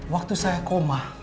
waktu saya koma